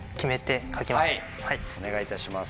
お願いいたします。